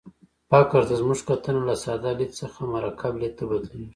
فقر ته زموږ کتنه له ساده لید څخه مرکب لید ته بدلېږي.